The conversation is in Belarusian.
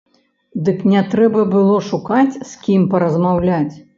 Дык не трэба было шукаць з кім паразмаўляць!